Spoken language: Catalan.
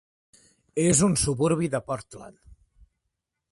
És un suburbi de Portland.